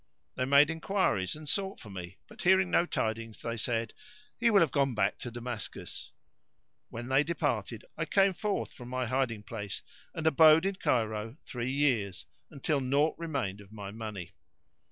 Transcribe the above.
They made enquiries and sought for me, but hearing no tidings they said, "He will have gone back to Damascus." When they departed I came forth from my hiding place and abode in Cairo three years, until naught remained of my money.